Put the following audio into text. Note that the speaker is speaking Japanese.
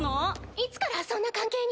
いつからそんな関係に？